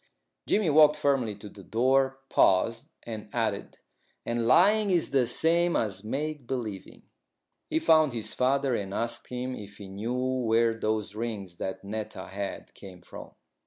Jimmy walked firmly to the door, paused, and added, "And lying is the same as make believing." He found his father, and asked him if he knew where those rings that Netta had came from.